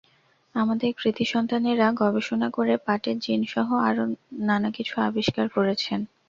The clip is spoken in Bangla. আমাদের কৃতী সন্তানেরা গবেষণা করে পাটের জিনসহ নানা কিছু আবিষ্কার করছেন।